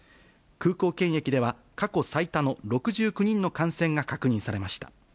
空港検疫では過去最多の６９人の感染が確認されました。